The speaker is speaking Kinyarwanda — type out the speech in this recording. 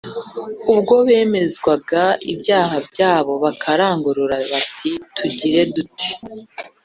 ubwo bemezwaga ibyaha byabo bakarangurura bati:”Tugire dute?